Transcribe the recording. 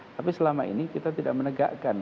tapi selama ini kita tidak menegakkan